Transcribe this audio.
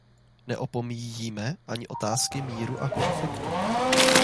Neopomíjíme ani otázky míru a konfliktu.